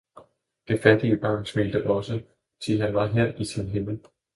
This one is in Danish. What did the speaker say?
det fattige barn smilte også, thi han var her i sin himmel.